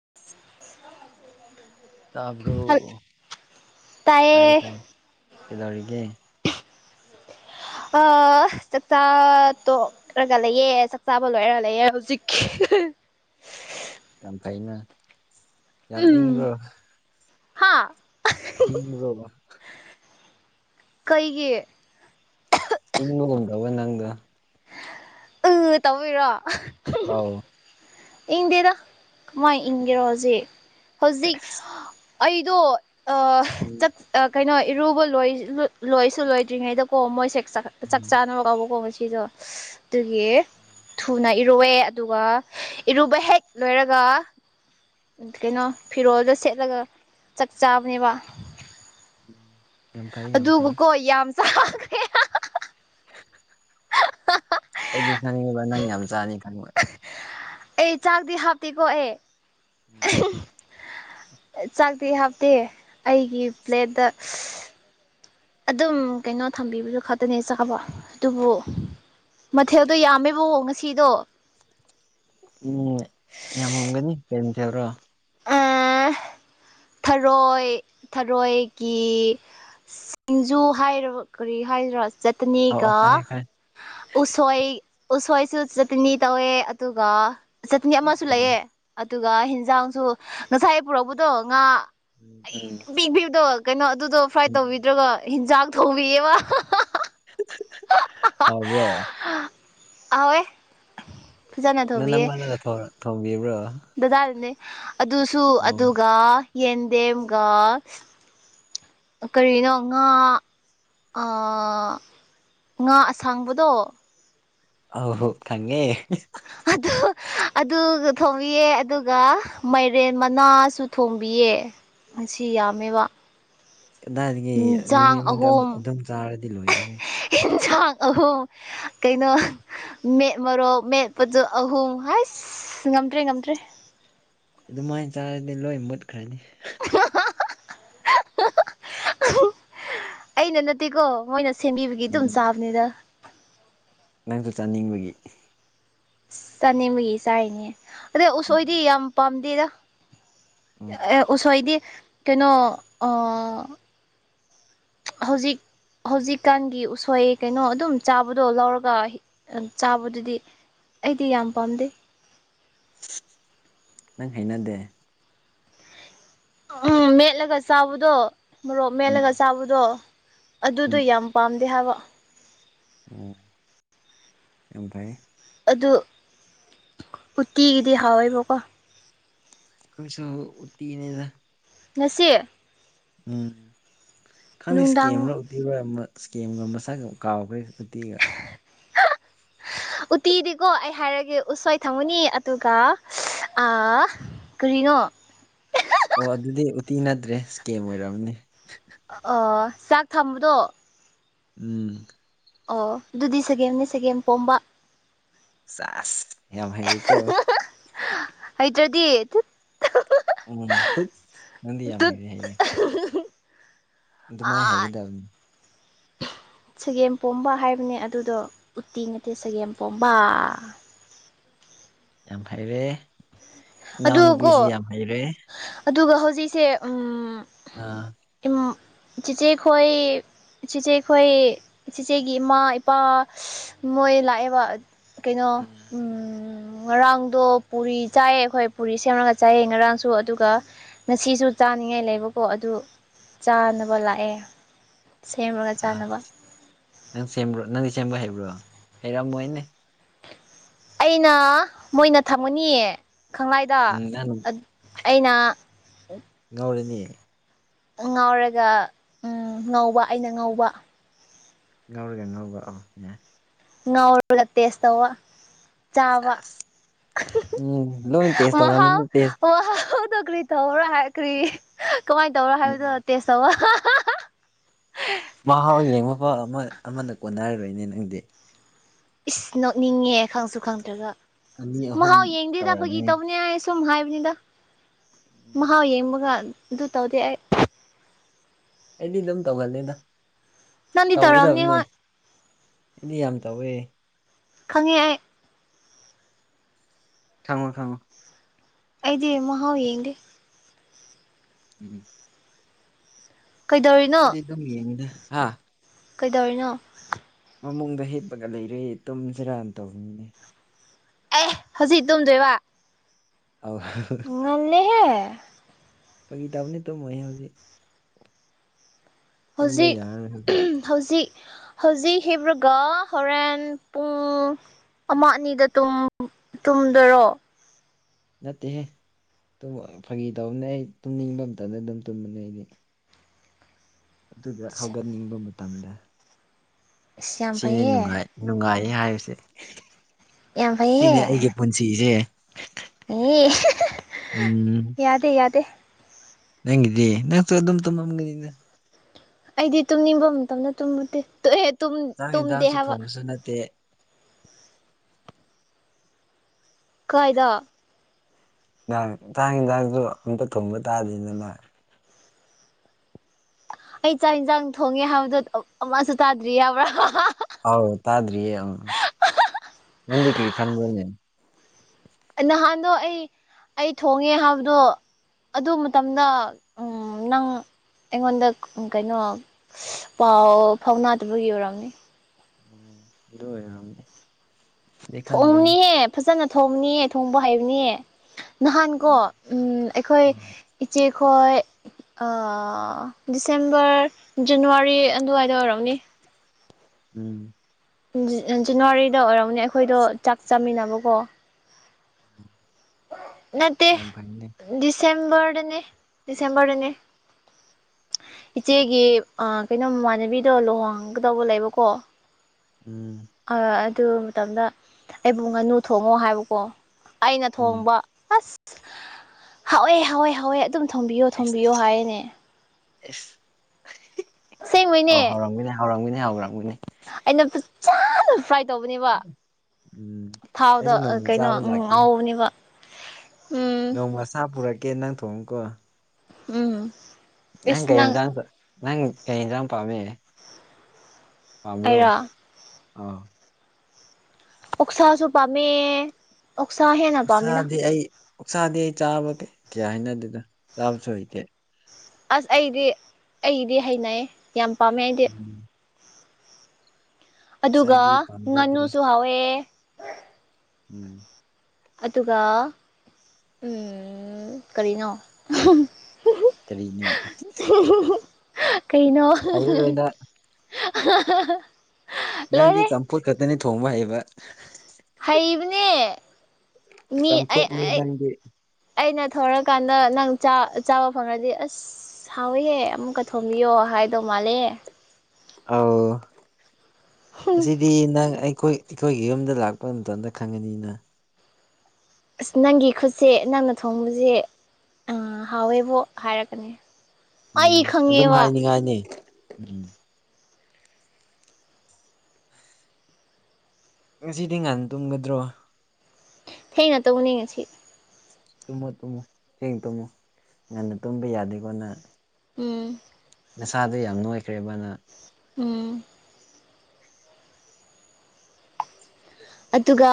[unintelligible] ꯇꯕ꯭ꯔꯣ ꯍꯜ ꯇꯥꯏ ꯇꯥꯏꯌꯦ ꯇꯥꯏ ꯀꯗꯧꯔꯒ [unintelligible] ꯆꯠꯔꯒ ꯂꯩꯑ ꯆꯥꯛ ꯆꯥꯕ ꯂꯣꯏꯔ ꯂꯩꯑꯦ ꯍꯧꯖꯤꯛꯀꯤ ꯌꯥꯝ ꯐꯥꯏꯩꯅ ꯌꯥꯝ ꯏꯪꯕ꯭ꯔꯣ ꯍꯥꯥ ꯏꯕ ꯀꯩꯒꯤ ꯏꯉ ꯍꯕ ꯅꯪ ꯎꯝ ꯇꯋꯤꯔꯣ ꯑꯥꯎ ꯏꯪꯗꯦꯗ ꯀꯃꯥꯏꯅ ꯏꯪꯒꯦꯔꯣ ꯍꯧꯖꯤꯛ ꯍꯧꯖꯤꯛ ꯁꯦꯁ ꯑꯩꯗꯣ ꯎꯝ ꯆ ꯀꯩꯅꯣ ꯏꯔꯨꯕ ꯂ ꯂꯣꯏꯁꯨ ꯂꯣꯏꯗ꯭ꯔꯤꯉꯩꯗꯀꯣ ꯃꯣꯏꯁꯦ ꯆꯥꯛ ꯎꯝ ꯆꯥꯅꯕ ꯀꯥꯎꯕ ꯀꯣ ꯁꯤꯁꯨꯣ ꯑꯗꯨꯒꯤ ꯊꯨꯅ ꯏꯔꯨꯑꯦ ꯑꯗꯨꯒ ꯏꯔꯨꯕ ꯍꯦꯛ ꯂꯣꯏꯔꯒ ꯀꯩꯅꯣ ꯐꯤꯔꯣꯜꯗ ꯁꯦꯠꯂꯒ ꯆꯥꯛ ꯆꯥꯕꯅꯦꯕ ꯎꯝ ꯌꯥꯝ ꯐꯩ ꯌꯥꯝ ꯐꯩ ꯑꯗꯨꯕꯨꯀꯣ ꯌꯥꯝ ꯆꯥꯈ꯭ꯔꯦ ꯑꯦꯅꯤꯥꯅꯤꯕꯅ ꯌꯥꯝ ꯆꯥꯅꯤ ꯑꯩ ꯆꯥꯛꯗꯤ ꯍꯥꯞꯇꯤꯀꯣ ꯑꯦ ꯎꯝ ꯆꯥꯛꯇꯤ ꯍꯥꯞꯇꯦ ꯑꯩꯒꯤ ꯄ꯭ꯂꯦꯠꯇ ꯑꯗꯨꯝ ꯀꯩꯅꯣ ꯊꯝꯕꯤꯕꯁꯨ ꯈꯛꯇꯅꯦ ꯏ ꯆꯥꯕ ꯑꯗꯨꯕꯨ ꯃꯊꯦꯜꯗꯣ ꯌꯥꯝꯃꯦꯕꯣ ꯉꯁꯤꯗꯣ ꯎꯝ ꯌꯥꯝꯃꯝꯒꯅꯤ ꯀꯔꯤꯝ ꯊꯕ꯭ꯔꯣ ꯑꯥ ꯊꯔꯣꯏ ꯊꯔꯣꯏꯒꯤ ꯁꯤꯡꯖꯨ ꯍꯥꯏ ꯀꯔꯤ ꯍꯥꯏꯗ꯭ꯔꯥ ꯆꯠꯅꯤ ꯑꯧ ꯑꯧ ꯀ ꯈꯪꯉꯦ ꯈꯪꯉꯦ ꯎꯁꯣꯏ ꯎꯁꯣꯏꯁꯨ ꯆꯥꯇꯅꯤ ꯇꯧꯋꯦ ꯑꯗꯨꯒ ꯆꯥꯇꯅꯤ ꯑꯃꯁꯨ ꯑꯧ ꯂꯩꯑ ꯑꯗꯨꯒ ꯍꯟꯖꯥꯡꯁꯨ ꯉꯁꯥꯏ ꯄꯨꯔꯛꯄꯗꯣ ꯉꯥ ꯑꯩ ꯎꯝ ꯄꯤꯛꯕꯤꯕꯗꯣ ꯀꯩꯅꯣ ꯑꯗꯨꯗꯣ ꯐ꯭ꯔꯥꯏ ꯎꯝ ꯇꯧꯕꯤꯗ꯭ꯔꯒꯣ ꯍꯤꯟꯖꯥꯛ ꯊꯧꯕꯤꯌꯦꯕ ꯍꯥꯎꯕ꯭ꯔꯣ ꯑꯋꯣꯏ ꯅꯪ ꯅꯃꯅꯗ ꯊꯣꯡꯕꯤꯕ꯭ꯔꯣ ꯗꯗꯥꯗꯅꯦ ꯑꯗꯨꯁꯨ ꯑꯣ ꯑꯗꯨꯒ ꯌꯦꯟꯗꯦꯝꯒ ꯀꯔꯤꯅꯣ ꯉꯥ ꯉꯥ ꯑꯁꯥꯡꯕꯗꯣ ꯑꯩ ꯈꯪꯏ ꯑꯗ ꯑꯗꯨꯒ ꯊꯣꯡꯝꯕꯤꯌꯦꯦ ꯑꯗꯨꯒ ꯃꯥꯏꯔꯦꯟ ꯃꯅꯥꯁꯨ ꯊꯣꯡꯝꯕꯤꯌꯦ ꯃꯁꯤ ꯌꯥꯝꯃꯦꯕ ꯑꯗꯨꯗꯥꯏꯗꯒꯤ ꯏꯟꯁꯥꯡ ꯅꯨꯃꯤꯠ ꯑꯃꯗꯨ ꯑꯗꯨꯝ ꯆꯥꯔꯗꯤ ꯂꯣꯏꯔꯦꯍꯦ ꯑꯦꯟꯁꯥꯡ ꯑꯍꯨꯝ ꯀꯩꯅꯣ ꯃꯦꯠꯃꯣꯛ ꯃꯦꯠꯄꯗꯨ ꯑꯍꯨꯝ ꯍꯥꯏꯁ ꯉꯝꯗ꯭ꯔꯦ ꯉꯝꯗ꯭ꯔꯦ ꯑꯗꯨꯃꯥꯏꯅ ꯆꯥꯔꯗꯤ ꯂꯣꯏ ꯃꯨꯠꯈ꯭ꯔꯅꯤ ꯑꯩꯅ ꯅꯠꯇꯦꯀꯣ ꯃꯣꯏꯅ ꯁꯦꯝꯕꯤꯕꯒꯤ ꯑꯗꯨꯝ ꯎꯝ ꯆꯥꯕꯅꯤꯗ ꯅꯪꯁꯨ ꯆꯥꯅꯤꯡꯕꯒꯤ ꯆꯥꯅꯤꯡꯕꯒꯤ ꯆꯥꯏꯔꯤꯅꯦ ꯑꯗꯩ ꯎꯁꯣꯏꯗꯤ ꯎꯝ ꯌꯥꯝ ꯄꯥꯝꯗꯦꯗ ꯎꯝ ꯑꯦ ꯎꯁꯣꯏꯗꯤ ꯀꯩꯅꯣ ꯑ ꯍꯧꯖꯤꯛ ꯍꯧꯖꯤꯛꯀꯥꯟꯒꯤ ꯎꯁꯣꯏ ꯀꯩꯅꯣ ꯑꯗꯨꯝ ꯆꯥꯕꯗꯣ ꯂꯧꯔꯒ ꯑ ꯆꯥꯕꯗꯨꯗꯤ ꯑꯩꯗꯤ ꯌꯥꯝ ꯎꯝ ꯄꯥꯝꯗꯦ [unintelligible] ꯅꯪ ꯍꯩꯅꯗꯦ ꯎꯝ ꯃꯦꯠꯂꯒ ꯆꯥꯕꯗꯣ ꯃꯣꯔꯣꯛ ꯎꯝ ꯃꯦꯠꯂꯒ ꯆꯥꯕꯗꯣ ꯑꯗꯨꯗꯣ ꯎꯝ ꯌꯥꯝ ꯄꯥꯝꯗꯦ ꯍꯥꯏꯕ ꯑꯣ ꯌꯥꯝ ꯐꯩꯌꯦ ꯑꯗꯨ ꯎꯇꯤꯒꯤꯗꯤ ꯍꯥꯎꯋꯦꯕꯀꯣ ꯈꯣꯏꯁꯨ ꯎꯇꯤꯅꯦꯗ ꯉꯁꯤ ꯎꯝ ꯈꯪꯗꯦ ꯁ꯭ꯀꯦꯝ ꯅꯨꯡꯗꯥꯡ ꯔꯣ [unintelligible] ꯑꯃ ꯁ꯭ꯀꯦꯝꯒ ꯃꯁꯛꯒ ꯀꯥꯎꯈ꯭ꯔꯦ ꯎꯇꯤꯒ [unintelligible] ꯎꯠꯇꯤꯗꯤꯀꯣ ꯑꯩ ꯍꯥꯏꯔꯒꯦ ꯎꯁꯣꯏ ꯊꯝꯒꯅꯤ ꯑꯗꯨꯒ [unintelligible] ꯑ ꯀꯔꯤꯅꯣ ꯑꯣ ꯑꯗꯨꯗꯤ ꯎꯇꯤ ꯅꯠꯇ꯭ꯔꯦ ꯁ꯭ꯀꯦꯝ ꯑꯣꯏꯔꯝꯅꯤ [unintelligible] ꯑꯣ ꯆꯥꯛ ꯊꯝꯕꯗꯣ ꯎꯝ ꯑꯣ ꯑꯗꯨꯗꯤ ꯁꯒꯦꯝꯅꯦ ꯁꯒꯦꯝ ꯄꯣꯝꯕ ꯁꯥꯁ ꯌꯥꯝ ꯍꯩꯔꯦꯀꯣ ꯍꯩꯇ꯭ꯔꯗꯤ ꯇꯨꯠ [unintelligible] ꯎꯝ ꯇꯠ ꯅꯪꯗꯤ ꯌꯥꯝ ꯇꯨꯠ ꯍꯩꯔꯦ ꯍꯩꯔꯦ ꯑꯗꯨꯃꯥꯏ ꯑꯥ ꯍꯥꯏꯒꯦꯗꯝ ꯆꯒꯦꯝ ꯄꯣꯝꯕ ꯍꯥꯏꯕꯅꯦ ꯑꯗꯨꯗꯣ ꯎꯠꯇꯤ ꯅꯠꯇꯦ ꯆꯒꯦꯝꯄꯣꯝꯕꯥ ꯌꯥꯝ ꯍꯩꯔꯦ ꯑꯗꯨꯒꯀꯣ ꯏꯅꯥꯎꯅꯨꯄꯤꯁꯤ ꯌꯥꯝ ꯍꯩꯔꯦ ꯑꯗꯨꯒ ꯍꯧꯖꯤꯛꯁꯦ ꯎꯝ ꯑ ꯎꯝ ꯆꯤꯆꯦꯈꯣꯏ ꯆꯤꯆꯦꯈꯣꯏ ꯆꯤꯆꯦꯒꯤ ꯏꯃꯥ ꯏꯄꯥ [unintelligible] ꯃꯣꯏ ꯂꯥꯛꯑꯦꯕ ꯀꯩꯅꯣ ꯎꯝ ꯉꯔꯥꯡꯗꯣ ꯄꯨꯔꯤ ꯆꯥꯏꯌꯦ ꯑꯩꯈꯣꯏ ꯄꯨꯔꯤ ꯁꯦꯝꯔꯒ ꯆꯥꯏꯌꯦ ꯉꯔꯥꯡꯁꯨ ꯑꯗꯨꯒ ꯉꯁꯤꯁꯨ ꯆꯥꯅꯤꯡꯉꯥꯏ ꯂꯩꯕꯀꯣ ꯑꯗꯨ ꯎꯝ ꯆꯥꯅꯕ ꯂꯥꯛꯑꯦ ꯁꯦꯝꯃꯒ ꯑꯥ ꯆꯥꯅꯕ ꯅꯪ ꯁꯦꯝꯕ꯭ꯔꯣ ꯅꯪ ꯁꯦꯝꯕ ꯍꯩꯕ꯭ꯔꯣ ꯍꯩꯔꯝꯃꯣꯏꯅꯦ ꯑꯩꯅ ꯃꯣꯏꯅ ꯊꯝꯒꯅꯤ ꯈꯥꯡꯂꯥꯏꯗ ꯎꯝ ꯅꯪ ꯑꯗ ꯑꯩꯅ ꯉꯧꯔꯅꯤ ꯉꯥꯎꯔꯒ ꯎꯝ ꯉꯧꯕ ꯑꯩꯅ ꯉꯧꯕ ꯉꯥꯎꯔꯒ ꯉꯧꯕ ꯑꯣ ꯌꯥꯏ ꯉꯧꯔꯒ ꯇꯦꯁ ꯇꯧꯋꯥ ꯆꯥꯕ ꯆꯥꯁ ꯎꯝ ꯂꯣꯏ ꯇꯦꯁ [unintelligible] ꯃꯍꯥꯎ ꯇꯧꯔꯝꯃꯅꯤ ꯇꯦꯁ ꯋꯥꯍꯥꯎꯗꯣ ꯀꯔꯤ ꯇꯧꯕ꯭ꯔꯥ ꯍꯥꯏ ꯈ꯭ꯔꯤ ꯀꯃꯥꯏꯅ ꯇꯧꯕ꯭ꯔꯣ ꯎꯝ ꯍꯥꯏꯕꯗꯣ ꯇꯦꯁ ꯇꯧꯕ ꯑꯍꯥ -ꯍꯥ -ꯍꯥ ꯃꯍꯥꯎ ꯌꯦꯡꯕ ꯐꯥꯎ ꯑꯃ ꯑꯃꯅ ꯀꯣꯟꯅꯔꯔꯣꯏꯅꯦ ꯅꯪꯗꯤ ꯏꯁ ꯅꯣꯛꯅꯤꯡꯉꯦ ꯈꯪꯁꯨ ꯈꯪꯗ꯭ꯔꯒ ꯑꯅꯤ ꯑꯍꯨꯝ ꯃꯍꯥꯎ ꯌꯦꯡꯗꯦꯗ ꯐꯥꯒꯤ ꯇꯧꯔꯝꯃꯅꯤ ꯇꯧꯕꯅꯤ ꯍꯥꯏꯌꯦ ꯁꯨꯝ ꯍꯥꯏꯕꯅꯤꯗ ꯎꯝ ꯃꯍꯥꯎ ꯌꯦꯡꯕꯒ ꯑꯗꯨ ꯇꯧꯗꯦ ꯑꯩ ꯑꯩꯗꯤ ꯗꯨꯝ ꯇꯧꯒꯜꯂꯦꯗ ꯅꯪꯗꯤ ꯇꯧꯔꯝꯅꯤ ꯇꯧꯒꯗꯕꯅꯦ ꯍꯣꯏ ꯑꯩꯗꯤ ꯌꯥꯝ ꯇꯧꯋꯦ ꯈꯪꯉꯦ ꯑꯩ ꯈꯪꯉꯣ ꯈꯪꯉꯣ ꯑꯩꯗꯤ ꯃꯍꯥꯎ ꯌꯦꯡꯗꯦ ꯎꯝ ꯎꯝ ꯀꯩꯗꯧꯔꯤꯅꯣ ꯗꯨꯝ ꯌꯦꯉꯤꯗ ꯍꯥ ꯀꯩꯗꯧꯔꯤꯅꯣ ꯃꯃꯨꯡꯗ ꯍꯤꯞꯄꯒ ꯂꯩꯔꯦ ꯇꯨꯝꯁꯤꯔꯥꯟꯅ ꯇꯧꯅꯤꯅꯦ ꯑꯦ ꯍꯧꯖꯤꯛ ꯇꯨꯝꯗꯣꯏꯕ ꯑꯥꯎ ꯅꯍꯦ ꯄꯒꯤꯗꯕꯅꯤ ꯇ ꯃꯌꯦꯛꯦ ꯍꯧꯖꯤ ꯇꯨꯝꯕ ꯍꯧꯖꯤꯛ ꯌꯥꯔꯔꯣꯏ ꯍꯧꯖꯤꯛ ꯍꯧꯖꯤꯛ ꯍꯧꯖꯤꯛ ꯍꯤꯕ꯭ꯔꯒ ꯍꯣꯔꯦꯟ ꯄꯨꯡ ꯑꯃ ꯑꯅꯤꯗ ꯇꯨꯝꯗꯔꯣ ꯅꯠꯇꯦꯍꯦꯨꯝ ꯐꯪꯒꯤ ꯇꯧꯕꯅꯦ ꯑꯩ ꯇꯨꯝꯅꯤꯡꯕ ꯑꯝꯇꯅ ꯑꯗꯨꯝ ꯇꯨꯝꯕꯅꯦ ꯑꯩꯗꯤ ꯑꯗꯨꯗ ꯍꯧꯒꯠꯅꯤꯡꯕ ꯃꯇꯝꯗ ꯑꯁ ꯌꯥꯝ ꯁꯤꯅꯦ ꯐꯩꯍꯦ ꯅꯨꯡꯉꯥꯏ ꯅꯨꯡꯉꯥꯏꯌꯦ ꯍꯥꯏꯕꯁꯦ ꯌꯥꯝ ꯐꯩꯍꯦ ꯁꯤꯅꯦ ꯑꯩꯒꯤ ꯄꯨꯟꯁꯤꯁꯦ ꯏ ꯌꯥꯗꯦ ꯌꯥꯗꯦ ꯅꯪꯗꯤꯦ ꯅꯪ ꯆ ꯑꯗꯨꯝ ꯇ ꯃꯪꯅ ꯑꯩꯗꯤ ꯇꯨꯝꯅꯤꯡꯕ ꯃꯇꯝꯗ ꯇꯨꯝꯃꯨꯗꯦ ꯇꯨꯝꯗꯦ ꯍꯥꯏꯕ ꯑꯗꯨꯅꯠꯇ ꯀꯥꯏꯗ ꯅꯍꯟꯁꯥꯡ ꯌꯦꯟꯁꯥꯡꯁꯨ ꯑꯝꯇ ꯊꯣꯡꯕ ꯇꯥꯗꯦꯗꯅ ꯑꯩ ꯆꯥꯛ ꯌꯦꯟꯁꯥꯡ ꯊꯣꯡꯉꯦ ꯍꯥꯏꯕꯗꯣ ꯑꯃꯁꯨ ꯇꯥꯗ꯭ꯔꯤ ꯌꯥꯕ꯭ꯔꯥ ꯑꯥꯎ ꯇꯥꯗ꯭ꯔꯤꯌꯦ ꯑꯪ ꯅꯟꯗꯤ ꯀ꯭ꯔꯤ ꯈꯟꯕꯅꯦ ꯅꯍꯥꯟꯗꯣ ꯑꯩ ꯑꯩ ꯊꯣꯡꯉꯦ ꯍꯥꯏꯕꯗꯣ ꯑꯗꯨ ꯃꯇꯝꯗ ꯅꯪ ꯑꯩꯉꯣꯟꯗ ꯀꯩꯅꯣ ꯄꯥꯎ ꯐꯥꯎꯅꯗꯕꯒꯤ ꯑꯣꯏꯔꯝꯅꯤ ꯑꯣ ꯑꯗꯨ ꯑꯣꯏꯔꯝꯅꯦ ꯊꯣꯡꯅꯤꯍꯦ ꯐꯖꯅ ꯊꯣꯡꯅꯤꯍꯦ ꯊꯣꯡꯕ ꯍꯩꯕꯅꯤꯍ ꯅꯍꯥꯟ ꯀꯣ ꯎꯝ ꯑꯩꯈꯣꯏ ꯏꯆꯦ ꯈꯣꯏ ꯗꯤꯁꯦꯝꯕꯔ ꯖꯅꯋꯥꯔꯤ ꯑꯗꯨꯋꯥꯏꯗ ꯑꯣꯏꯔꯝꯅꯤ ꯎꯝ ꯖꯅꯋꯥꯔꯤꯗ ꯑꯣꯏꯔꯝꯅꯦ ꯑꯩꯈꯣꯏꯗꯣ ꯆꯥꯛ ꯆꯥꯃꯤꯟꯅꯕꯀꯣ ꯎꯝ ꯅꯠꯇ ꯁꯦꯝꯕꯔꯅꯤꯅꯤ ꯁꯦꯝꯕꯔꯅꯅꯤ ꯏꯆꯦꯒꯤ ꯑ ꯀꯩꯅꯣ ꯃꯃꯥꯟꯅꯕꯤꯗꯣ ꯂꯨꯍꯣꯡꯒꯗꯧꯕ ꯂꯩꯕꯀꯣ ꯎꯝ ꯑꯗꯨ ꯃꯇꯝꯗ ꯑꯩꯕꯨ ꯉꯥꯅꯨ ꯊꯣꯡꯉꯣ ꯍꯥꯏꯕꯀꯣ ꯑꯩꯅ ꯎꯝ ꯊꯣꯡꯕ ꯑꯁ ꯍꯥꯎꯋꯦ ꯍꯥꯎꯋꯦ ꯍꯥꯎꯋꯦ ꯑꯗꯨꯝ ꯊꯣꯝꯕꯤꯌꯣ ꯑꯦꯁ ꯊꯣꯝꯕꯤꯌꯣ ꯑꯦꯁ ꯍꯥꯏꯅꯦ ꯑꯦꯁ ꯑꯣ ꯑꯁꯦꯡꯕꯩꯅꯦ ꯍꯧꯥꯎꯔꯝꯕꯤꯅꯦ ꯍꯧꯥꯎꯔꯝꯕꯤꯅꯦ ꯍꯧꯔꯥꯡꯕꯤꯅꯤ ꯑꯩꯅ ꯆ ꯐ꯭ꯔꯥꯏ ꯀꯩ ꯇꯧꯕꯅꯦꯕ ꯎꯝ ꯊꯥꯎꯗ ꯑꯩꯁꯨ ꯅꯣꯡꯃ ꯀꯩꯅꯣ ꯆꯥꯕ ꯉꯥꯎꯕꯅꯦꯕ ꯅꯣꯡꯃꯁꯥ ꯄꯨꯔꯛꯀꯦ ꯅꯪ ꯊꯣꯡꯉꯀꯣ ꯎꯝ ꯅꯪ ꯀꯩ ꯆ ꯅꯪ ꯀꯩ ꯆꯅ ꯄꯥꯝꯃꯦ ꯄꯝ꯭ꯔꯣ ꯑꯩꯔꯣ ꯎꯛꯁꯥꯁꯨ ꯄꯝꯦ ꯎꯠꯁꯥꯍꯦꯅ ꯎꯁꯥꯗꯤ ꯑꯩ ꯎꯁꯥꯗꯤ ꯑꯩ ꯆꯥꯕꯒꯦ ꯀꯌꯥ ꯍꯥꯏꯅꯗꯅ ꯆꯥꯕꯁꯨ ꯍꯩꯇꯦ ꯑꯁ ꯑꯩꯗꯤ ꯑꯩꯗꯤ ꯍꯩꯅꯩ ꯌꯥꯝ ꯄꯥꯝꯃꯦ ꯑꯩꯗꯤ ꯎꯝ ꯑꯗꯨꯒ ꯎꯛꯁꯥꯗꯤ ꯄꯥꯝꯖꯗ꯭ꯔꯦ ꯉꯥꯅꯨꯁꯨ ꯍꯥꯎꯋꯦ ꯎꯝ ꯑꯗꯨꯒ ꯀꯔꯤꯅꯣ ꯀꯔꯤꯅꯦ ꯀꯩꯅꯣ ꯍꯩꯔꯔꯣꯏꯗ ꯅꯪꯗꯤ ꯆꯝꯐꯨꯠ ꯈꯛꯇꯅꯤ ꯊꯣꯡꯕ ꯍꯩꯕ ꯍꯩꯕꯅꯦ ꯃꯤ ꯆꯝꯐꯨꯠꯅꯤ ꯑꯩ ꯅꯪꯗꯤ ꯑꯩꯅ ꯊꯧꯔꯀꯥꯟꯗ ꯅꯪꯥ ꯆꯥꯕ ꯐꯪꯂꯔꯗꯤ ꯑꯁ ꯑꯁ ꯍꯥꯎꯋꯦ ꯑꯃꯨꯛꯀ ꯊꯣꯝꯕꯤꯌꯣ ꯍꯥꯏꯗꯧ ꯃꯥꯜꯂꯦ ꯑ ꯁꯤ ꯗꯤ ꯅꯪ ꯑꯩꯈꯣꯏ ꯑꯩꯈꯣꯏꯒꯤ ꯌꯨꯝꯗ ꯂꯥꯛꯄ ꯃꯇꯝꯗ ꯈꯪꯉꯅꯤꯅ ꯑꯁ ꯅꯪꯒꯤ ꯈꯨꯠꯁꯦ ꯅꯪꯅ ꯊꯣꯡꯕꯁꯦ ꯍꯥꯎꯋꯦꯕꯣ ꯍꯥꯏꯔꯛꯀꯅꯤ ꯎꯝ ꯑꯩ ꯑꯗꯨꯝ ꯈꯪꯉꯦꯕ ꯍꯥꯏꯅꯤ ꯍꯥꯏꯥꯏꯅꯤ ꯎꯝ ꯎꯝ ꯉꯁꯤꯗꯤ ꯉꯍꯥꯟ ꯇꯨꯝꯒꯗ꯭ꯔꯣ ꯊꯦꯡꯩꯅ ꯇꯧꯅꯤꯡꯉꯁꯤ ꯇꯨꯝꯃꯣ ꯇꯨꯝꯃꯣ ꯆꯦꯡ ꯇꯨꯝꯃꯨ ꯉꯟꯅ ꯇꯨꯝꯕ ꯌꯥꯗꯦꯀꯣꯅ ꯎꯝ ꯅꯁꯥꯗꯣ ꯌꯥꯝ ꯅꯣꯏꯈ꯭ꯔꯦ ꯃꯥꯅ ꯎꯝ ꯑꯗꯨꯒ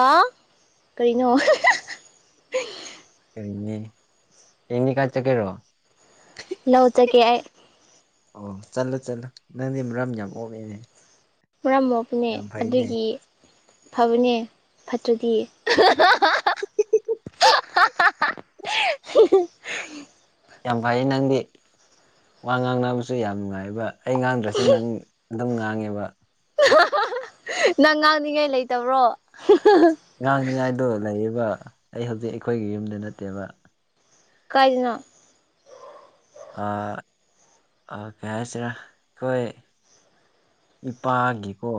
ꯎꯝ ꯀꯔꯤꯅꯣ ꯀꯔꯤꯅꯤ ꯀꯅꯤ ꯀꯜ ꯆ ꯀꯦꯔꯣ ꯂꯧ ꯍꯧ ꯇ ꯀꯦ ꯑꯣ ꯆꯠꯂꯨ ꯆꯠꯂꯨ ꯅꯪꯗꯤ ꯃꯔꯝ ꯌꯥꯝ ꯑꯣꯛꯑꯦꯅꯦ ꯃꯔꯝ ꯃꯣꯛꯄꯅꯦ ꯌꯥꯝ ꯐꯩꯅꯦ ꯑꯗꯨꯒꯤ ꯐꯕꯅꯦ ꯐꯠꯇ꯭ꯔꯗꯤ [inaudible] ꯌꯥꯝ ꯐꯩꯌꯦ ꯅꯪꯗꯤ ꯋꯥ ꯉꯥꯡꯅꯕꯁꯨ ꯌꯥꯝ ꯅꯨꯡꯉꯥꯏꯕ ꯑꯩ ꯉꯥꯡꯗ꯭ꯔꯁꯨ ꯅꯪ ꯑꯗꯨꯝ ꯉꯥꯡꯉꯦꯕ ꯅꯪ ꯉꯥꯡꯅꯤꯡꯉꯥꯏ ꯂꯩꯇꯕ꯭ꯔꯣ ꯉꯥꯡꯅꯤꯉꯥꯏꯗꯣ ꯂꯩꯔꯤꯕ ꯑꯩ ꯍꯧꯖꯤꯛ ꯑꯩꯈꯣꯏꯒꯤ ꯌꯨꯝꯗ ꯅꯠꯇꯦꯕ ꯀꯥꯏꯗꯅꯣ ꯑ ꯑꯣ ꯀꯩ ꯍꯥꯏꯁꯤꯔꯥ ꯑꯩꯈꯣꯏ ꯏꯄꯥꯒꯤꯀꯣ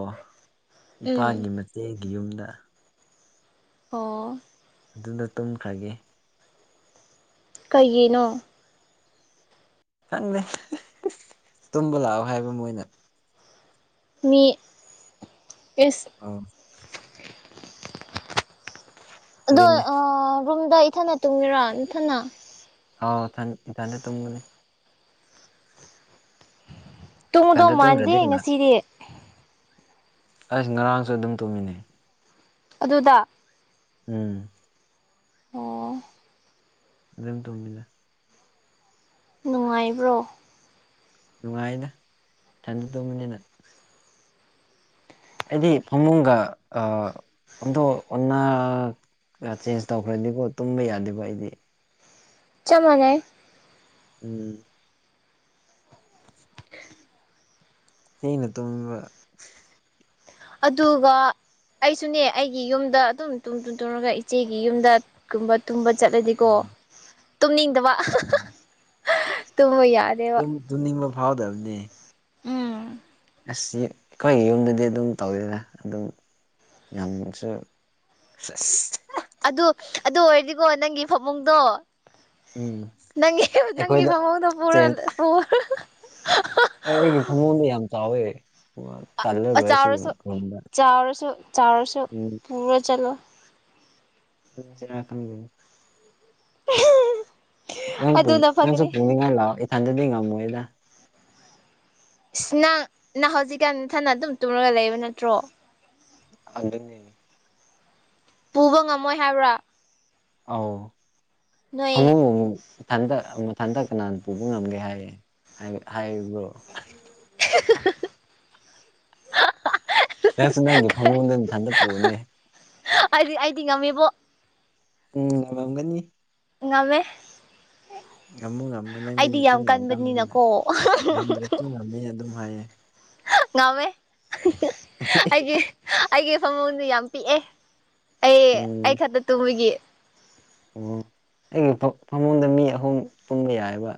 ꯎꯝ ꯏꯄꯥꯒꯤ ꯃꯆꯦꯒꯤ ꯌꯨꯝꯗ ꯑꯣ ꯑꯗꯨꯗ ꯇꯨꯝꯈ꯭ꯔꯒꯦ ꯀꯩꯒꯤꯅꯣ ꯁꯪꯅꯦꯦ ꯇꯨꯝꯕ ꯂꯥꯛꯑꯣ ꯍꯥꯏꯕ ꯃꯣꯏꯅ ꯃꯤ ꯏꯁ ꯑꯥꯎ ꯑꯗꯣ ꯑꯗꯨꯅꯦ ꯔꯨꯝꯗ ꯏꯊꯅ ꯇꯨꯡꯃꯤꯔꯣ ꯏꯊꯅ ꯍꯥꯎ ꯊ ꯊꯅꯦ ꯇꯨꯡꯒꯅꯤ ꯇꯨꯡꯗꯧ ꯏꯊꯟꯗ ꯃꯥꯟꯗꯦ ꯇꯨꯝꯗ꯭ꯔꯗꯤ ꯀꯅꯥ ꯉꯁꯤꯗꯤ ꯑꯩꯁ ꯉꯔꯥꯡꯁꯨ ꯑꯗꯨꯝ ꯇꯣꯡꯃꯤꯟꯅꯩ ꯑꯗꯨꯗ ꯎꯝ ꯑꯣ ꯑꯗꯨꯝ ꯇꯣꯝꯗ ꯅꯨꯡꯉꯥꯏꯕ꯭ꯔꯣ ꯅꯨꯡꯉꯥꯏꯅ ꯊꯟꯗ ꯇꯨꯝꯕꯅꯤꯅ ꯍꯥꯏꯗꯤ ꯐꯃꯨꯡꯒ ꯑ ꯑꯟꯗꯣ ꯑꯣꯟꯅ ꯆꯦꯟꯖ ꯇꯧꯈ꯭ꯔꯗꯤꯀꯣ ꯇꯨꯝꯕ ꯌꯥꯗꯦꯕ ꯑꯩꯗꯤ ꯆ ꯃꯅꯦ ꯎꯝ ꯏꯩꯅ ꯇꯣꯡꯕ ꯑꯗꯨꯒ ꯑꯩꯁꯨꯅꯦ ꯑꯩꯒꯤ ꯌꯨꯝꯗ ꯑꯗꯨꯝ ꯇꯨꯡ ꯇꯨꯡ ꯇꯨꯔꯒ ꯏꯆꯦꯒꯤ ꯌꯨꯝꯗ ꯀꯨꯝꯕ ꯇꯨꯝꯕ ꯆꯠꯂꯗꯤꯀꯣ ꯇꯨꯝꯅꯤꯡꯗꯕ ꯇꯨꯝꯕ ꯌꯥꯗꯦꯕ ꯎꯝ ꯇꯨꯝꯅꯤꯡꯕ ꯐꯥꯎꯗꯕꯅꯦ ꯎꯝ ꯑꯁ ꯑꯩꯈꯣꯏꯒꯤ ꯌꯨꯝꯗꯗꯤ ꯑꯗꯨꯝ ꯇꯧꯗꯦꯅ ꯑꯗꯨꯝ ꯌꯥꯝꯁꯨ ꯑꯗꯨ ꯑꯗꯨ ꯑꯣꯏꯔꯗꯤꯀꯣ ꯅꯪꯒꯤ ꯐꯃꯨꯡꯗꯣ ꯎꯝ ꯅꯪ ꯅꯪꯒꯤꯤ ꯑꯩꯈꯣꯏꯗ ꯐꯃꯗ ꯄꯨꯔ ꯄꯔ ꯑꯩ ꯑꯩꯒꯤ ꯐꯃꯣꯟꯗ ꯌꯥꯝ ꯆꯥꯎꯋꯦ ꯑꯣ ꯇꯜꯂ ꯔꯣꯏꯁꯤ ꯎꯝ ꯆꯥꯎꯔꯁꯨ ꯎꯔꯣ ꯆꯂꯣ ꯁꯤꯅ ꯈꯒꯅꯤ ꯅꯪ ꯑꯗꯨꯅ ꯅꯪꯁꯨ ꯐꯒꯅꯤ ꯄꯨꯅꯤꯡꯉꯥꯏ ꯂꯥꯛꯑꯣ ꯏꯊꯟꯗꯗꯤ ꯉꯝꯃꯣꯏꯗ ꯏꯁ ꯅꯪ ꯅꯍ ꯍꯧꯖꯤꯛꯀꯥꯟꯊꯅ ꯑꯗꯨꯝ ꯇꯨꯝꯨꯔꯒ ꯂꯩꯕ ꯅꯠꯇ꯭ꯔꯣ ꯑꯗꯨ ꯑꯗꯨꯅꯤ ꯄꯨꯕ ꯉꯝꯃꯣꯏ ꯍꯥꯏꯕ꯭ꯔꯥ ꯑꯥꯎ ꯐꯪꯉ ꯅꯣꯏ ꯎ ꯊꯟꯗꯛ ꯑꯃꯊꯟꯗꯛ ꯀꯅꯥꯅ ꯄꯨꯕ ꯉꯝꯒꯦ ꯍꯥꯏꯌꯦ ꯍꯥꯏꯔꯤꯕ꯭ꯔꯣ [unintelligible] ꯅꯪꯁꯨ ꯅꯪꯒꯤ ꯐꯉꯣꯟꯗ ꯑꯗꯨꯝ ꯍꯟꯗꯄꯅꯦ ꯑꯩꯗꯤ ꯑꯩꯗꯤ ꯉꯝꯃꯤꯕꯣ ꯎꯝ ꯃꯝꯒꯅꯤ ꯉꯃꯦ ꯉꯝꯃꯨ ꯉꯝꯃꯨ ꯅꯪꯗꯤ ꯅ ꯑꯩꯗꯤ ꯆꯤꯡ ꯌꯥꯝ ꯇꯝꯃꯅꯤꯅ ꯀꯟꯕꯅꯤꯅꯀꯣ ꯉꯝꯗ꯭ꯔꯁꯨ ꯉꯝꯃꯦ ꯑꯗꯨꯝ ꯍꯥꯏꯌꯦꯦ ꯉꯋꯦ ꯑꯩꯒꯤ ꯑꯩꯒꯤ ꯐꯃꯨꯡꯗ ꯌꯥꯝ ꯄꯤꯛꯑꯦ ꯑꯩ ꯎꯝ ꯑꯩ ꯈꯛꯇ ꯇꯨꯝꯕꯒꯤ ꯑꯣ ꯑꯩꯒꯤ ꯐꯃꯨꯡꯗ ꯃꯤ ꯑꯍꯨꯝ ꯇꯨꯝꯕ ꯌꯥꯏꯑꯕ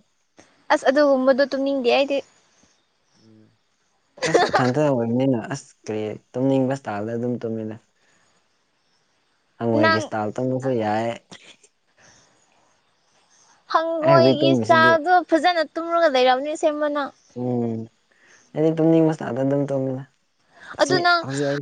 ꯑꯁ ꯑꯗꯨ ꯍꯨꯝꯕꯗꯣ ꯇꯨꯝꯅꯤꯡꯗꯦ ꯑꯩꯗꯤ ꯎꯝ ꯑꯁ ꯊꯟꯊ ꯑꯣꯏꯕꯅꯤꯅ ꯑꯁ ꯀꯔꯤ ꯇꯨꯝꯅꯤꯡꯕꯁꯇꯥꯥꯗ ꯑꯗꯨꯝ ꯇꯨꯝꯃꯤꯟꯅ ꯅꯪ ꯍꯪꯋꯥꯣꯏꯒꯤꯁꯇꯥꯜ ꯇꯝꯝꯕꯁꯨꯦ ꯌꯥꯏ ꯑꯩ ꯍꯧꯖꯤꯛ ꯍꯪꯒꯣꯏꯒꯤ ꯇꯨꯝꯃꯤꯁꯤꯗꯤ ꯆꯇꯥꯗꯣ ꯐꯖꯅ ꯇꯨꯝꯨꯔꯒ ꯂꯩꯔꯕꯅꯦ ꯁꯦꯝꯦ ꯃꯅꯥꯎ ꯎꯝ ꯑꯩꯗꯤ ꯑꯗꯨꯝꯅꯤꯡ ꯃꯁꯗ ꯑꯗꯨꯝ ꯇꯧꯃꯤꯅ ꯑꯁꯤ ꯑꯗꯨ ꯅꯪ ꯍꯧꯖꯤꯛ ꯑꯩ